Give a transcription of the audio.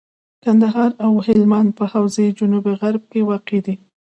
کندهار او هلمند په حوزه جنوب غرب کي واقع دي.